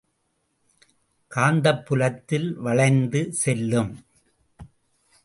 காந்தப்புலத்தில் வளைந்து செல்லும்.